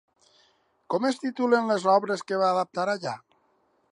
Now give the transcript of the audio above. Com es titulen les obres que va adaptar allà?